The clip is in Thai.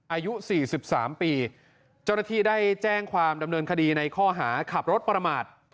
อายุ๔๓ปีเจ้าหน้าที่ได้แจ้งความดำเนินคดีในข้อหาขับรถประมาท